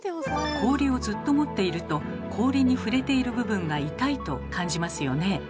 氷をずっと持っていると氷に触れている部分が痛いと感じますよね。